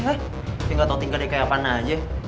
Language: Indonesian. kayak nggak tau tinggal dia kayak apaan aja